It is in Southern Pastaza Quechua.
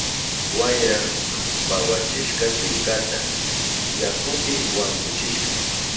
Wayra pawachishka killkata, yakupi wampuchishka.